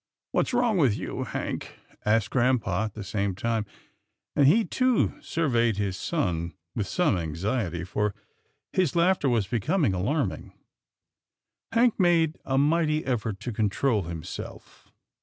"What's wrong with you, Hank?" asked grampa at the same time, and he too surveyed his son with some anxiety, for his laughter was becom ing alarming. Hank made a mighty effort to control himself.